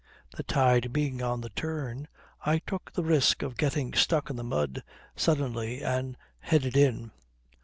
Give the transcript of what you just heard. The tide being on the turn I took the risk of getting stuck in the mud suddenly and headed in.